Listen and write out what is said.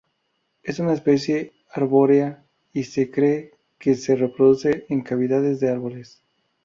Es una especie arbórea y se cree que se reproduce en cavidades de árboles.